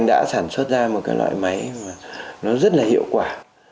tôi đã sản xuất ra một loại máy nó rất là hiệu quả